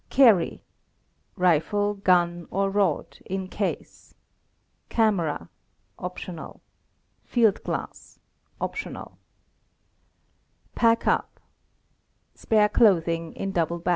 Carry: Rifle, gun, or rod, in case. Camera (?). Field glass (?). Pack up: Spare clothing, in double bag.